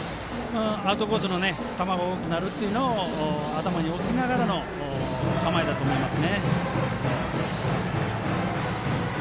アウトコースの球が多くなるというのを頭に置きながらの構えだと思います。